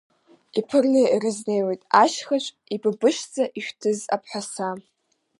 Иԥырны ирызнеиуеит ашьхыҵә, Ибыбышӡа ишәҭыз абҳәаса.